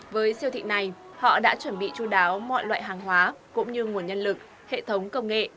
với siêu thị này họ đã chuẩn bị chú đáo mọi loại hàng hóa cũng như nguồn nhân lực hệ thống công nghệ